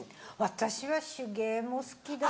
私は手芸も好きだし。